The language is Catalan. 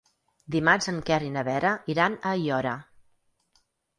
Dimarts en Quer i na Vera iran a Aiora.